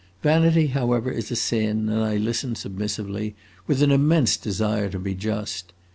Vanity, however, is a sin, and I listen submissively, with an immense desire to be just.